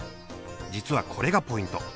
実はこれがポイント。